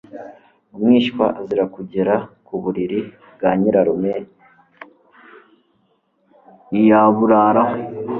Umwishywa azira kugera ku buriri bwa Nyirarume, ntiyaburaraho,